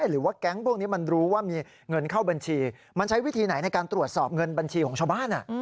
หรือว่าแก๊งพวกนี้มันรู้ว่ามีเงินเข้าบัญชีมันใช้วิธีไหนในการตรวจสอบเงินบัญชีของชาวบ้าน